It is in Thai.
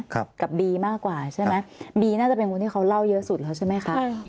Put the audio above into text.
กับบีมากกว่าใช่ไหมบีน่าจะเป็นคนที่เขาเล่าเยอะสุดแล้วใช่ไหมคะ